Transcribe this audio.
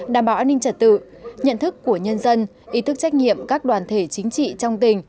đảm bảo an ninh trật tự nhận thức của nhân dân ý thức trách nhiệm các đoàn thể chính trị trong tỉnh